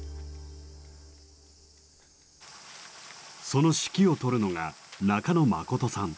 その指揮を執るのが中野誠さん。